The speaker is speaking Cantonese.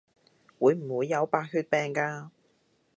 會唔會有白血病㗎？